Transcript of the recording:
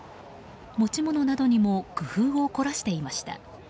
持ち物などにも工夫を凝らしていました。